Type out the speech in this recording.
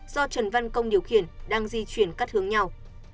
do trần văn công điều khiển đang di chuyển cắt hướng nhau